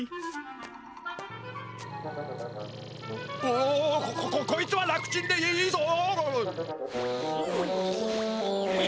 おここいつは楽ちんでいいぞ！